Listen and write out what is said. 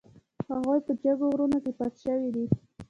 هغوی په جګو غرونو کې پټ شوي دي.